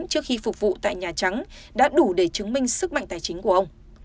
trước khi phục vụ tại nhà trắng đã đủ để chứng minh sức mạnh tài chính của ông